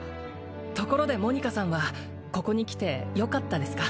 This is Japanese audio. ところでモニカさんはここに来てよかったですか？